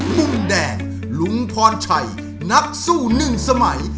มุมแดงลุงพรชัยนักสู้หนึ่งสมัย